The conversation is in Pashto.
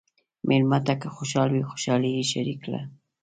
مېلمه ته که خوشحال وي، خوشالي یې شریکه کړه.